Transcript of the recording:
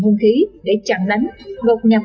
vũ khí để chặn đánh gột nhập